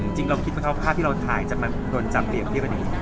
จริงเราคิดว่าก็ภาพที่เราถ่ายจะมาโดนจำเลียงขึ้นไหมคะ